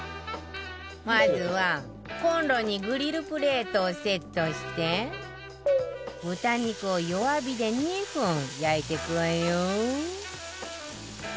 まずはコンロにグリルプレートをセットして豚肉を弱火で２分焼いてくわよ